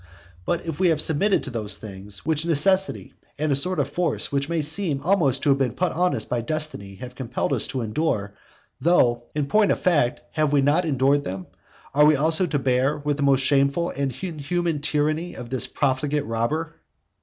But if we have submitted to these things, which necessity and a sort of force which may seem almost to have been put on us by destiny have compelled us to endure, though, in point of fact, we have not endured them, are we also to bear with the most shameful and inhuman tyranny of this profligate robber?